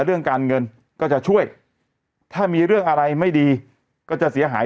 เรื่องการเงินก็จะช่วยถ้ามีเรื่องอะไรไม่ดีก็จะเสียหาย